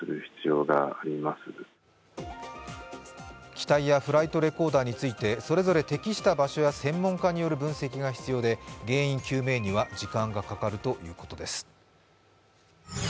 機体やフライトレコーダーについてそれぞれ適した場所や専門家による分析が必要で原因究明には時間がかかるということです。